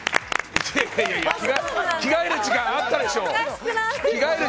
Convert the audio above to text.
着替える時間はあったでしょう。